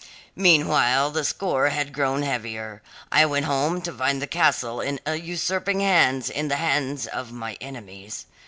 "Meanwhile, the score had grown heavier. I went home to find the castle in usurping hands in the hands of my enemies.